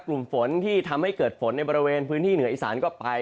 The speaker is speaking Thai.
กลุ่มฝนที่ทำให้เกิดฝนในบริเวณพื้นที่เหนืออีสานก็ไป